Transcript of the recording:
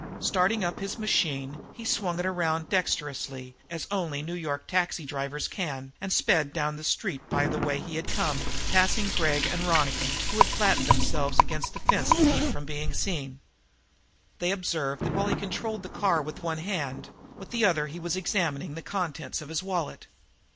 Starting up his machine, he swung it around dexterously, as only New York taxi drivers can, and sped down the street by the way he had come, passing Gregg and Ronicky, who had flattened themselves against the fence to keep from being seen. They observed that, while he controlled the car with one hand, with the other he was examining the contents of his wallet.